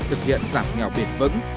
thực hiện giảm nghèo biệt vững